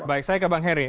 baik saya ke bang heri